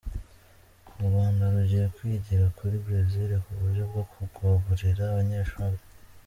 U Rwanda rugiye kwigira kuri Brezil ku buryo bwo kugaburira abanyeshuri